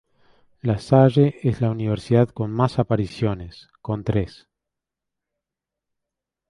La Salle es la universidad con más apariciones, con tres.